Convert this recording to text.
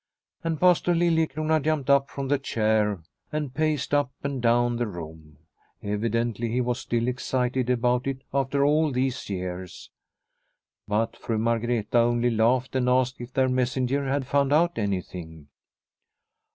And Pastor Liliecrona jumped up from the chair and paced up and down the room. Evi dently he was still excited about it after all these years. But Fru Margreta only laughed and asked if their messenger had found out anything.